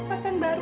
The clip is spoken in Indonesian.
dan kekuatan balik